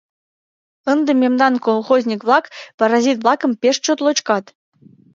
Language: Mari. Ынде мемнан колхозник-влак паразит-влакым пеш чот лочкат.